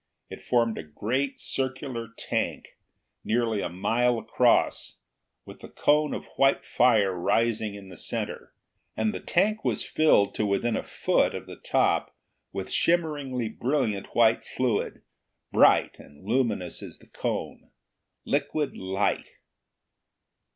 It formed a great circular tank, nearly a mile across, with the cone of white fire rising in the center. And the tank was filled, to within a foot of the top, with shimmeringly brilliant white fluid, bright and luminous as the cone liquid light!